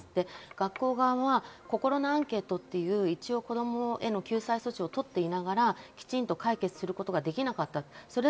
学校側は心のアンケートという子供への救済措置を取っていながら解決することができなかった。